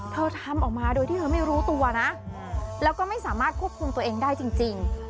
ทำออกมาโดยที่เธอไม่รู้ตัวนะแล้วก็ไม่สามารถควบคุมตัวเองได้จริง